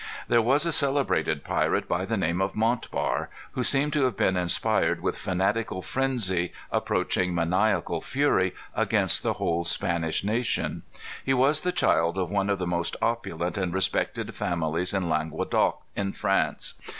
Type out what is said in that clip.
There was a celebrated pirate by the name of Montbar, who seemed to have been inspired with fanatical frenzy approaching maniacal fury against the whole Spanish nation. He was the child of one of the most opulent and respected families in Languedoc, in France.